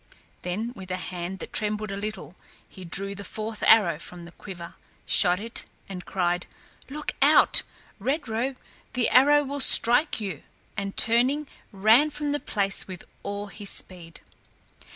Then with a hand that trembled a little, he drew the fourth arrow from the quiver, shot it and cried, "Look out, Red Robe, the arrow will strike you"; and, turning, ran from the place with all his speed.